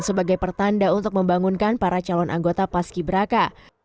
sebagai pertanda untuk membangunkan para calon anggota paski beraka